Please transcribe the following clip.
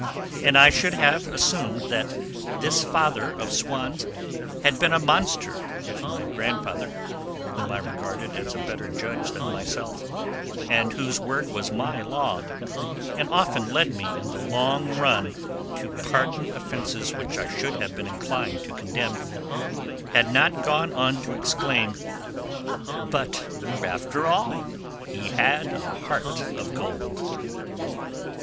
And I should have assumed that this father of Swann's had been a monster if my grandfather, whom I regarded as a better judge than myself, and whose word was my law and often led me in the long run to pardon offences which I should have been inclined to condemn, had not gone on to exclaim, "But, after all, he had a heart of gold."